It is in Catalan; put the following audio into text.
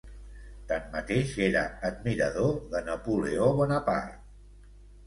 Tanmateix, era admirador de Napoleó Bonaparte.